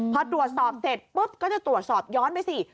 พอตรวจสอบเสร็จปุ๊บก็จะตรวจสอบย้อนไปสิ